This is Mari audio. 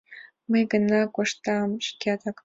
Мый гына коштам шкетак».